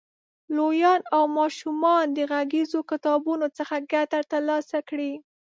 لویان او ماشومان د غږیزو کتابونو څخه ګټه تر لاسه کړي.